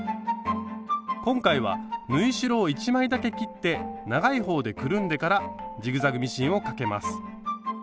今回は縫い代を１枚だけ切って長い方でくるんでからジグザグミシンをかけます。